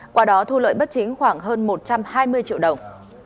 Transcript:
qua đó thu lợi bất chính khoảng hơn một trăm hai mươi triệu đồng